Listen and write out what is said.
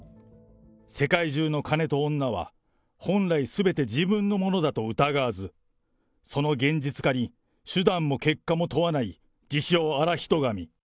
世界中の金と女は、本来、すべて自分のものだと疑わず、その現実化に手段も結果も問わない、自称、現人神。